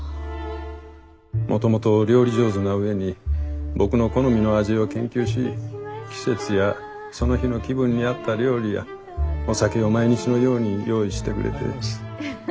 もともと料理上手なうえに僕の好みの味を研究し季節やその日の気分に合った料理やお酒を毎日のように用意してくれて。